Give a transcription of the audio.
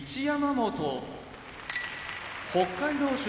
山本北海道